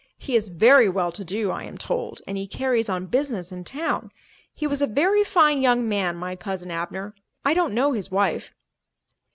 He is very well to do, I am told, and he carries on business in town. He was a very fine young man, my Cousin Abner. I don't know his wife."